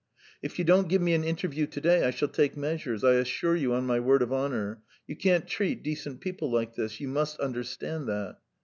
"If you don't give me an interview to day, I shall take measures, I assure you on my word of honour. You can't treat decent people like this; you must understand that."